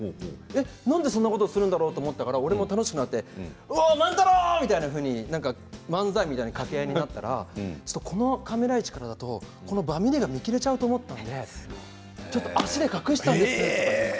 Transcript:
なんでそんなことするんだろうと思いながら俺も楽しくなって万太郎！みたいな漫才みたいな掛け合いになったらこのカメラ位置からだったらこのバミリが見切れちゃうと思って足で隠したんですって。